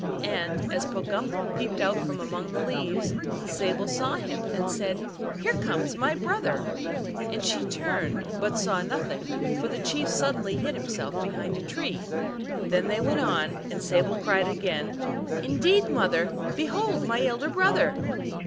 And as Pogumk peeped out from among the leaves, Sable saw him, and said, " Here comes my brother !" And she turned, but saw nothing, for the chief suddenly hid himself behind a tree. Then they went on, and Sable cried again, " Indeed, mother, I behold my elder brother!